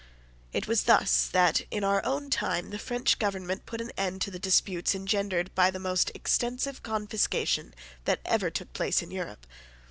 It was thus that in our own time the French government put an end to the disputes engendered by the most extensive confiscation that ever took place in Europe.